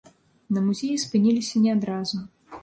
На музеі спыніліся не адразу.